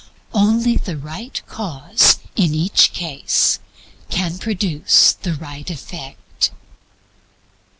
Only the right cause in each case can produce the right effect.